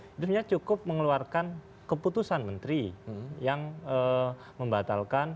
sebenarnya cukup mengeluarkan keputusan menteri yang membatalkan